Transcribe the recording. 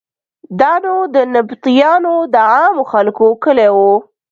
دا نو د نبطیانو د عامو خلکو کلی و.